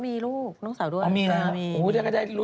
นี่หลานสินใจฉันเป็นย่าฉันไปเรียกตัวเองว่าป้า